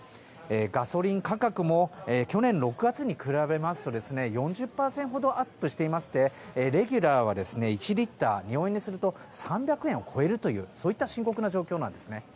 ガソリン価格も去年６月に比べますと４０％ほどアップしていましてレギュラーは１リットル日本円にすると３００円を超えるというそういった深刻な状況です。